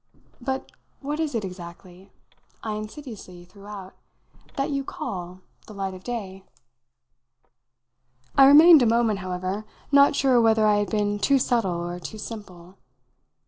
But what is it exactly," I insidiously threw out, "that you call the 'light of day'?" I remained a moment, however, not sure whether I had been too subtle or too simple.